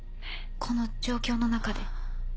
この状況の中で。